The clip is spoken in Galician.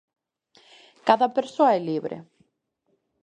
Cada persoa é libre.